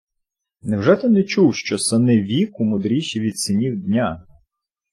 Невже ти не чув, що сини віку мудріші від синів дня?